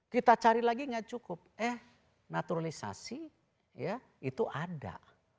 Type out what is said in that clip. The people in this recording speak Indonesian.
kita cari lagi nggak cukup eh naturalisasi ya itu ada